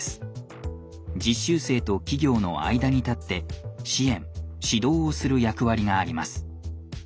実習生と企業の間に立って支援・指導をする役割があります。